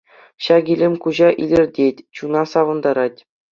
Ҫак илем куҫа илӗртет, чуна савӑнтарать.